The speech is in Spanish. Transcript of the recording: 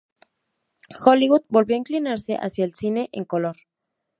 Hollywood volvió a inclinarse hacia el cine en color.